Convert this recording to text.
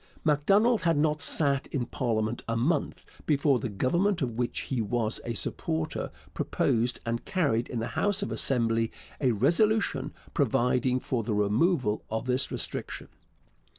Macdonald had not sat in parliament a month before the Government of which he was a supporter proposed and carried in the House of Assembly a resolution providing for the removal of this restriction.